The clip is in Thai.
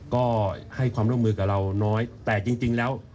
ก็ให้ความร่วมมือกับเราน้อยแต่จริงแล้ว